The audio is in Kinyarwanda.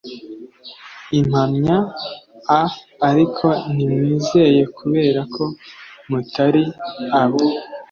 Impamya a ariko ntimwizeye kubera ko mutari abo